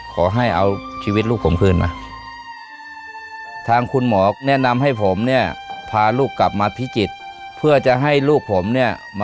ขอให้เอาชีวิตลูกผมคืนแหน่ง